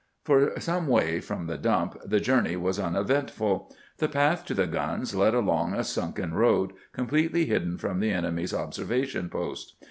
For some way from the dump the journey was uneventful. The path to the guns led along a sunken road, completely hidden from the enemy's observation posts.